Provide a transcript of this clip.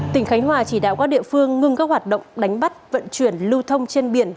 tỉnh khánh hòa chỉ đạo các địa phương ngưng các hoạt động đánh bắt vận chuyển lưu thông trên biển